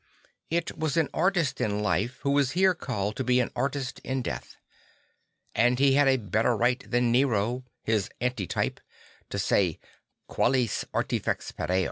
It was an artist in life who was here called to be an artist in death; and he had a better right than Nero, his anti type, to say Qualis artilex pereo.